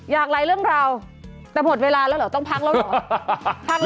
อย่างไรเรื่องราวแต่หมดเวลาแล้วเหรอต้องพักแล้วเหรอ